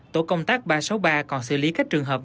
tổ công tác ba trăm sáu mươi ba còn xử lý các trường hợp